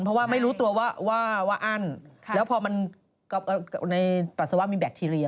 เพราะว่าไม่รู้ตัวว่าอั้นแล้วพอมันในปัสสาวะมีแบคทีเรีย